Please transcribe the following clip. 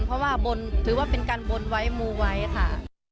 เพราะว่าบนถือว่าเป็นการบนไว้มูไว้ค่ะ